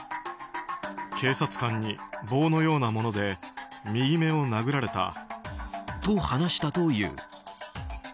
警察官に棒のようなもので右目を殴られた。と、話したという。